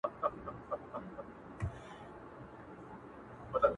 ما د ژوند لپه كي سيتم كــــــرلـــــــــــی،